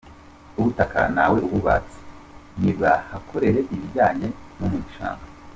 Ubutaka ntawe ububatse, nibahakorere ibijyanye no mu gishanga.